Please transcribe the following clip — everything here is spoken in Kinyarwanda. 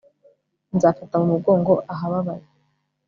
nzafata mu mugongo ahababaye